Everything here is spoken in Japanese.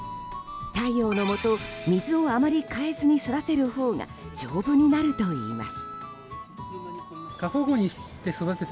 太陽のもと、水をあまり替えずに育てるほうが丈夫になるといいます。